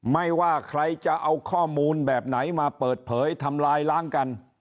ไม่ว่าใครจะเอาข้อมูลแบบไหนมาเปิดเผยทำลายล้างกัน